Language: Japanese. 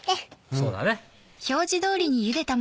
そうだね。